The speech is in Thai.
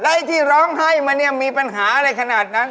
ร้ายที่ร้องไห้มันยังมีปัญหาอะไรขนาดนั้น